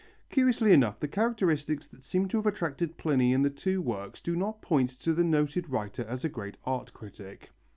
Curiously enough the characteristics that seem to have attracted Pliny in the two works do not point to the noted writer as a great art critic.